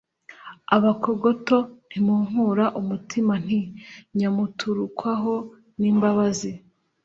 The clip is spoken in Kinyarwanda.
Abakogoto ntimunkura umutima. Nti: Nyamuturukwaho n'imbaraga